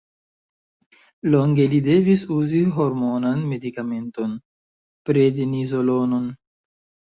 Longe li devis uzi hormonan medikamenton: prednizolonon.